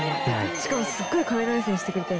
しかもすごいカメラ目線してくれたよ。